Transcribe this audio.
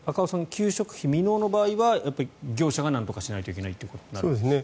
給食費未納の場合は業者がなんとかしないといけないということですか。